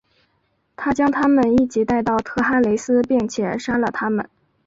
他将他们一起带到特哈雷斯并且杀了他们。